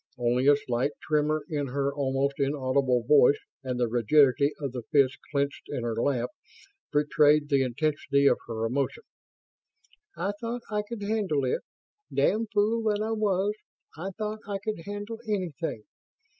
Only a slight tremor in her almost inaudible voice and the rigidity of the fists clenched in her lap betrayed the intensity of her emotion. "I thought I could handle it. Damned fool that I was, I thought I could handle anything.